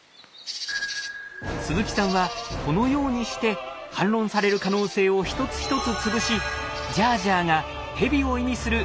鈴木さんはこのようにして反論される可能性を一つ一つ潰し「ジャージャー」がヘビを意味する